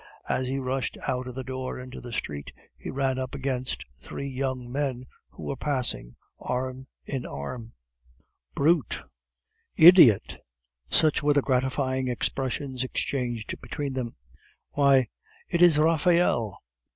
As he rushed out of the door into the street, he ran up against three young men who were passing arm in arm. "Brute!" "Idiot!" Such were the gratifying expressions exchanged between them. "Why, it is Raphael!"